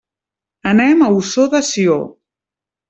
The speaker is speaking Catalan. Anem a Ossó de Sió.